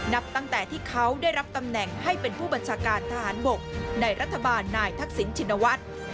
นับตั้งแต่ที่เขาได้รับตำแหน่งให้เป็นผู้บัญชาการทหารบกในรัฐบาลนายทักษิณชินวัฒน์